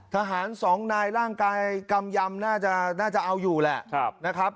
ทหารสองนายร่างกายกำยำน่าจะเอาอยู่แหละนะครับ